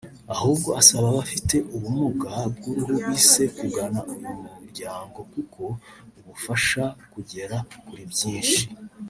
Ahubwo asaba abafite ubumuga bw’uruhu bise kugana uyu muryango kuko ubafasha kugera kuri byinshi